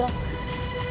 etual panggang bawah